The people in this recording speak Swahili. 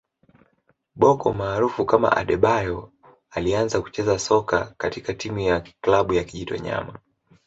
Bocco maarufu kama Adebayor alianza kucheza soka katika timu ya klabu ya Kijitonyama